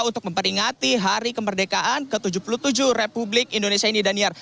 untuk memperingati hari kemerdekaan ke tujuh puluh tujuh republik indonesia ini daniar